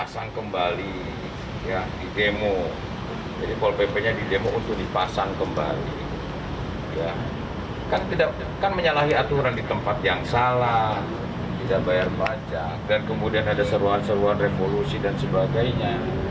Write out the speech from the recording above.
seruan seruan revolusi dan sebagainya